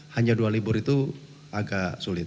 hanya dua libur itu agak sulit